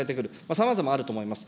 さまざまあると思います。